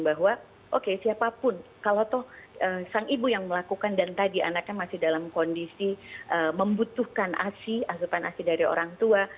bahwa oke siapapun kalau toh sang ibu yang melakukan dan tadi anaknya masih dalam kondisi membutuhkan asi asupan asi dari orang tua